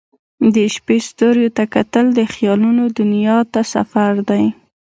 د شپې ستوریو ته کتل د خیالونو دنیا ته سفر دی.